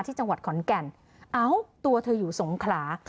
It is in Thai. ที่จังหวัดขอนแก่นเอ้าตัวเธออยู่สงขลา